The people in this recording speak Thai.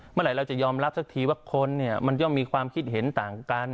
เมื่อไหร่เราจะยอมรับสักทีว่าคนเนี่ยมันย่อมมีความคิดเห็นต่างกัน